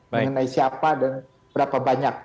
mengenai siapa dan berapa banyak